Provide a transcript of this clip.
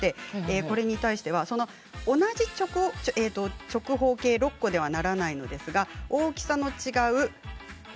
これに対して同じ直方体６個ではならないのですが大きさの違う。